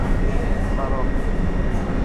فراخته